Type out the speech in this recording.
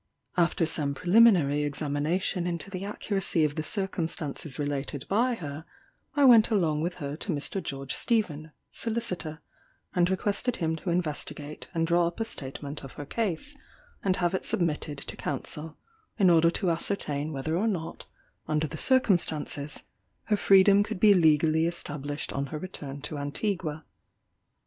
After some preliminary examination into the accuracy of the circumstances related by her, I went along with her to Mr. George Stephen, solicitor, and requested him to investigate and draw up a statement of her case, and have it submitted to counsel, in order to ascertain whether or not, under the circumstances, her freedom could be legally established on her return to Antigua.